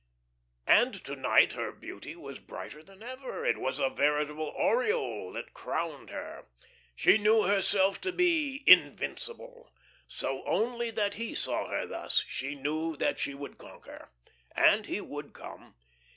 And to night her beauty was brighter than ever. It was a veritable aureole that crowned her. She knew herself to be invincible. So only that he saw her thus, she knew that she would conquer. And he would come.